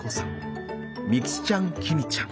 みきちゃんきみちゃん。